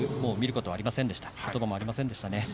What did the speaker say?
ことばもありませんでしたね。